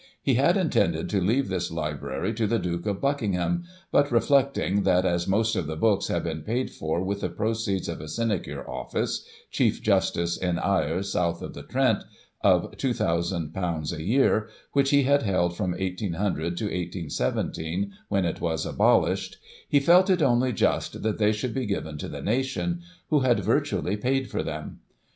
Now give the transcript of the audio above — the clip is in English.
He had intended to leave this hbrary to the Duke of Buckingham — but, reflecting that as most of the books had been paid for with the proceeds of a sinecure office (Chief Justice in eyre, south of the Trent) 20* Digiti ized by Google 3o8 GOSSIP. [1847 of ;£"2,ooo a year, which he had held from 1800 to 181 7, when it was abolished, he felt it only just that they should be given to the nation, who had virtually paid for them.